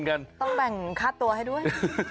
ต้องแบ่งค่าตัวให้ด้วย